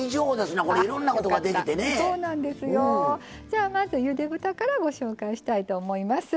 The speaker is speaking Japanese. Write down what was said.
じゃあまずゆで豚からご紹介したいと思います。